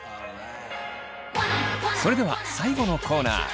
それでは最後のコーナー。